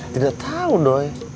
tidak tau doi